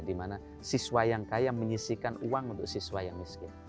dimana siswa yang kaya menyisikan uang untuk siswa yang miskin